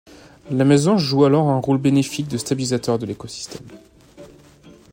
La mésange joue alors un rôle bénéfique de stabilisateur de l'écosystème.